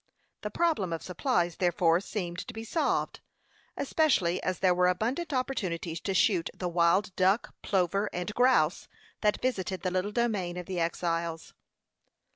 The problem of supplies, therefore, seemed to be solved, especially as there were abundant opportunities to shoot the wild duck, plover, and grouse, that visited the little domain of the exiles.